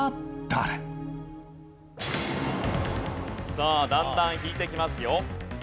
さあだんだん引いていきますよ。